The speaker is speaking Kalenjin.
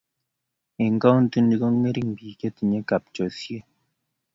Eng kauntii nik ko ng'ering biik che tinye kapchoisye.